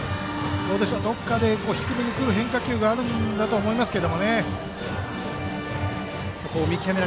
どこかで低めに来る変化球があるんだと思いますけどね。